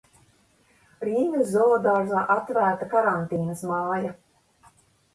Rīgas zoodārzā atvērta karantīnas māja.